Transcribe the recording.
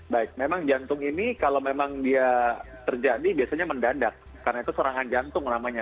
baik memang jantung ini kalau memang dia terjadi biasanya mendadak karena itu serangan jantung namanya